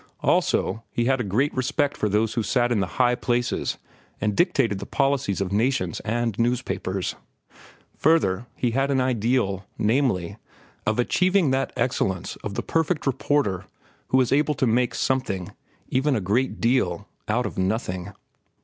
Also, he had a great respect for those who sat in the high places and dictated the policies of nations and newspapers. Further, he had an ideal, namely, of achieving that excellence of the perfect reporter who is able to make something—even a great deal—out of nothing.